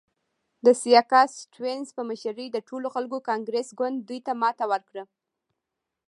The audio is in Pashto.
د سیاکا سټیونز په مشرۍ د ټولو خلکو کانګرس ګوند دوی ته ماته ورکړه.